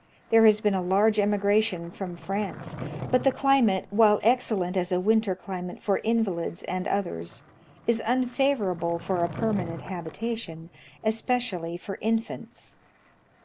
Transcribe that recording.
There has been a large emigration from France ; but the climate, while excellent as a winter climate for invalids and others, is unfavorable for a per manent habitation, especially for infants.